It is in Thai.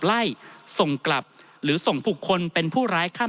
ท่านประธานครับนี่คือสิ่งที่สุดท้ายของท่านครับ